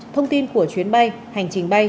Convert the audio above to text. thông tin của chuyến bay hành trình bay